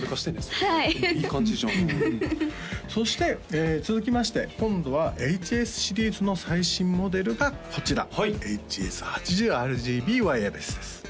それはいウフフそして続きまして今度はＨＳシリーズの最新モデルがこちら「ＨＳ８０ＲＧＢＷＩＲＥＬＥＳＳ」です